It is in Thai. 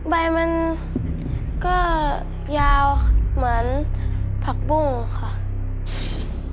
ใบมันก็ยาวเหมือนผักบุ้งค่ะ